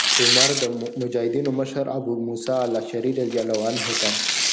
عمر د مجاهدینو مشر ابو موسی الأشعري رضي الله عنه ته